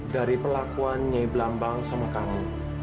dari perlakuan nyai belambang sama kamu